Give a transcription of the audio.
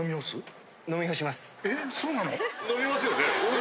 飲みますよね。